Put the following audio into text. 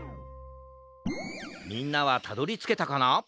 みんなはたどりつけたかな？